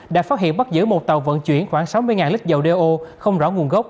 đã phát hiện bắt giữ một tàu vận chuyển khoảng sáu mươi lít dầu đeo không rõ nguồn gốc